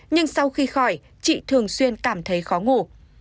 nhưng sau khi khỏi chị thường xuyên cảm thấy khó ngủ